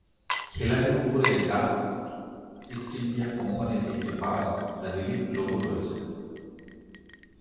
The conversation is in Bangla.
খিলানের উপরে ডাচ ইস্ট ইন্ডিয়া কোম্পানির একটি বাস-রিলিফ লোগো রয়েছে।